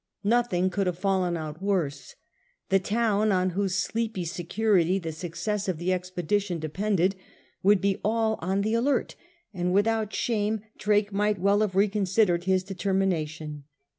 Nothing could have fallen out worse. The town on whose sleepy security the success^ of the expedition depended Would be all on the alert, and without shame Drake might well have reconsidered his determination.